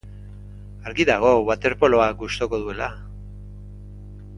Argi dago waterpoloa gustuko duela.